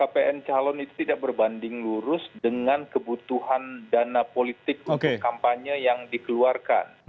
pn calon itu tidak berbanding lurus dengan kebutuhan dana politik untuk kampanye yang dikeluarkan